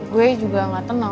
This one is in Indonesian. gue juga gak tenang